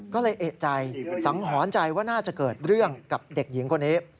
ก็เลยเอกใจสังหรณ์ใจว่าน่าจะเกิดเรื่องกับเด็กหญิงคนนี้